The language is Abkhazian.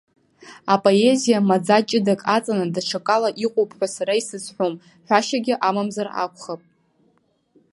Апоезиа маӡа ҷыдак аҵаны, даҽакала иҟоуп ҳәа сара исызҳәом, ҳәашьагьы амамзар акәхап.